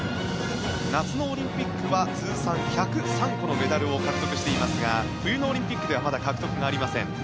夏のオリンピックは通算１０３個のメダルを獲得していますが冬のオリンピックではまだ獲得がありません。